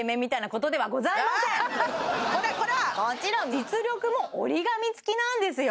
もちろん実力も折り紙付きなんですよ